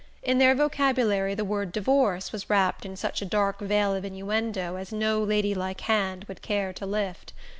In their vocabulary the word "divorce" was wrapped in such a dark veil of innuendo as no ladylike hand would care to lift.